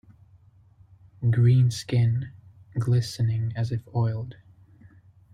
Green skin, glistening as if oiled.